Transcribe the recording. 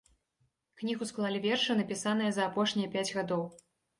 Кнігу склалі вершы, напісаныя за апошнія пяць гадоў.